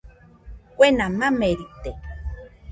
Kuena mamerite.